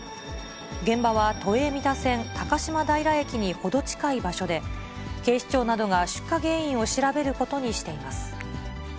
現場は都営三田線高島平駅に程近い場所で、警視庁などが出火原因を調べることにしています。